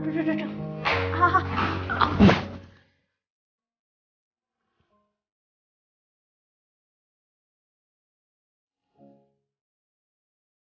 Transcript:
itu tadi kamu mau deket kamu mau ngapain